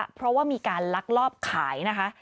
เพราะว่ามีการลักลอบขายนะคะ